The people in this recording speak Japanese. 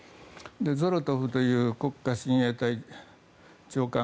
ゾロトフという国家親衛隊高官。